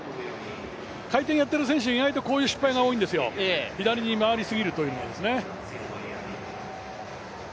回転やっている選手、意外とこういう失敗が多いんですよ、左に回りすぎるというね。